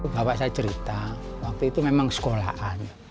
bapak saya cerita waktu itu memang sekolahan